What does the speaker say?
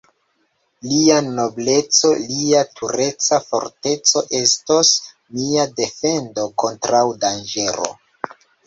Lia nobleco, lia tureca forteco estos mia defendo kontraŭ danĝero.